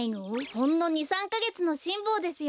ほんの２３かげつのしんぼうですよ。